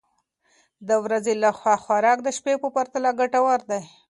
د ورځې لخوا خوراک د شپې په پرتله ګټور دی.